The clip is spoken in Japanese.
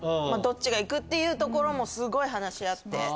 どっちがいくっていうところもすごい話し合って。